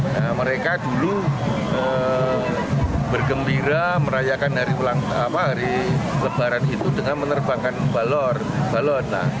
nah mereka dulu bergembira merayakan hari lebaran itu dengan menerbangkan balon